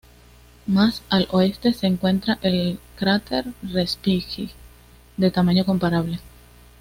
Más al oeste se encuentra el cráter Respighi, de tamaño comparable.